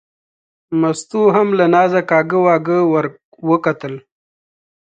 مستو هم له نازه کاږه واږه ور وکتل.